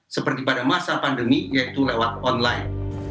seperti pada masa pandemi yaitu lewat online